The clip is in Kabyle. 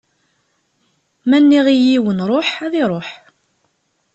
Ma nniɣ i yiwen: Ṛuḥ, ad iṛuḥ.